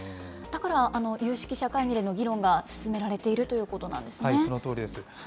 だから有識者会議での議論が進められているということなんですね。